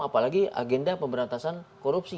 apalagi agenda pemberantasan korupsi